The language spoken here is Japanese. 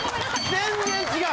全然違う！